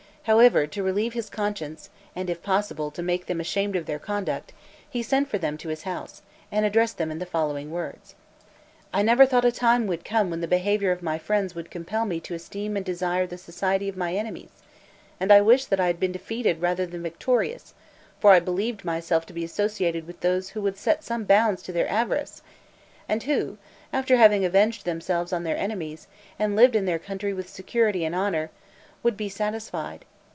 However, to relieve his conscience, and, if possible, to make them ashamed of their conduct, he sent for them to his house, and addressed them in the following words: "I never thought a time would come when the behavior of my friends would compel me to esteem and desire the society of my enemies, and wish that I had been defeated rather than victorious; for I believed myself to be associated with those who would set some bounds to their avarice, and who, after having avenged themselves on their enemies, and lived in their country with security and honor, would be satisfied.